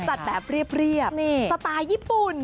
จัดแบบเรียบสไตล์ญี่ปุ่น